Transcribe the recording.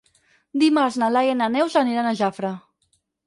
Dimarts na Laia i na Neus aniran a Jafre.